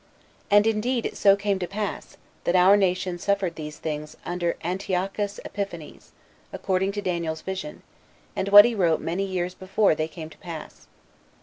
And indeed it so came to pass, that our nation suffered these things under Antiochus Epiphanes, according to Daniel's vision, and what he wrote many years before they came to pass.